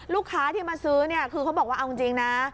ลูกค้าที่มาซื้อเนี่ยคือเขาบอกว่าเอาจริงนะ